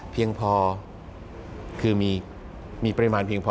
เพียงพอคือมีปริมาณเพียงพอ